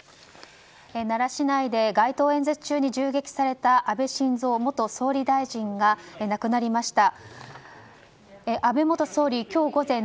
奈良市内で街頭演説中に銃撃された安倍晋三元総理大臣が亡くなりました。